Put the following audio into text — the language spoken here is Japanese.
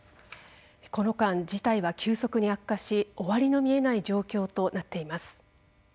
この間事態は急速に悪化し終わりの見えない状況となっています。